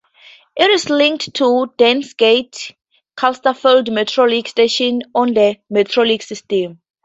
It is linked to Deansgate-Castlefield Metrolink station on the Metrolink system.